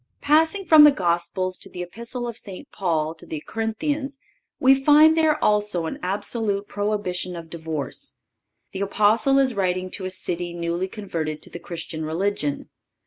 Passing from the Gospels to the Epistle of St. Paul to the Corinthians, we find there also an absolute prohibition of divorce. The Apostle is writing to a city newly converted to the Christian religion.